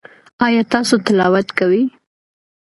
ایا تاسو تلاوت کوئ؟